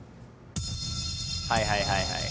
はいはいはいはい。